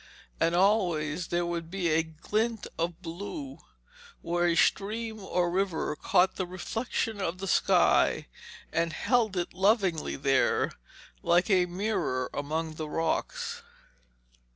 And always there would be a glint of blue, where a stream or river caught the reflection of the sky and held it lovingly there, like a mirror among the rocks.